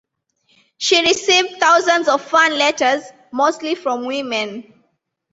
She received thousands of fan letters, mostly from women.